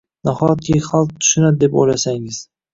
Nahotki xalq tushunadi deb o’ylasangiz?